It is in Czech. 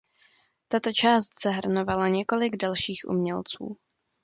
Tato část zahrnovala několik dalších umělců.